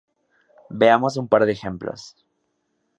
Veamos un par de ejemplos.